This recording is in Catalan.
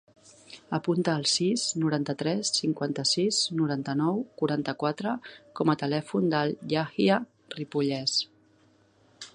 Apunta el sis, noranta-tres, cinquanta-sis, noranta-nou, quaranta-quatre com a telèfon del Yahya Ripolles.